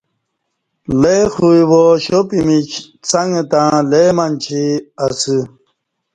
لے خوی وا شاپمیچ څنگ تݩع لے منچی اسہ